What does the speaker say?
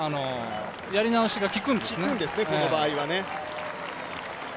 やり直しがきくんですね、この場合は。